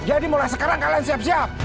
jadi mulai sekarang kalian siap siap